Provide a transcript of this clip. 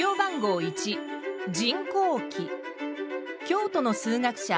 京都の数学者